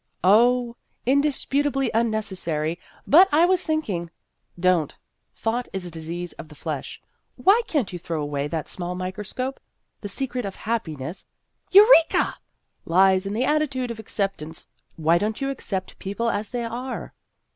" Oh, indisputably unnecessary, but I was thinking " Don't. ' Thought is a disease of the flesh.' Why can't you throw away The Ghost of Her Senior Year 227 that small microscope ? The secret of happiness " Eureka !"" lies in the attitude of acceptance. Why don't you accept people as they are